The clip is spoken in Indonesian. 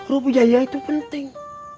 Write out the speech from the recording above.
rupiah yah itu penting